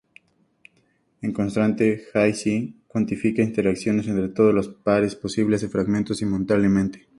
En contraste, Hi-C cuantifica interacciones entre todos los pares posibles de fragmentos simultáneamente.